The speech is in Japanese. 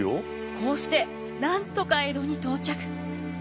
こうしてなんとか江戸に到着。